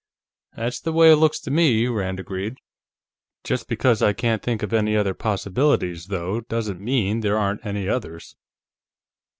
"That's the way it looks to me," Rand agreed. "Just because I can't think of any other possibility, though, doesn't mean that there aren't any others."